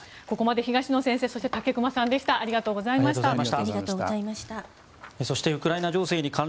ここまで東野先生そして武隈さんでした。